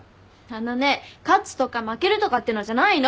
あのね勝つとか負けるとかってのじゃないの。